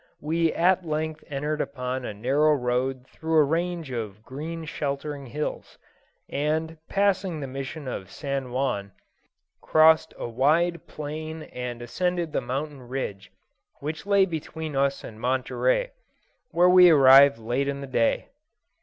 We at length entered upon a narrow road through a range of green sheltering hills, and, passing the Mission of San Juan, crossed a wide plain and ascended the mountain ridge which lay between us and Monterey, where we arrived late in the day.